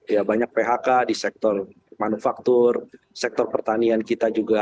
ya banyak phk di sektor manufaktur sektor pertanian kita juga